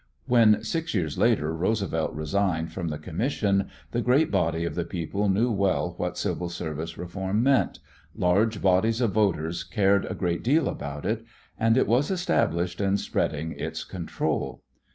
When six years later Roosevelt resigned from the commission the great body of the people knew well what civil service reform meant, large bodies of voters cared a great deal about it, and it was established and spreading its control.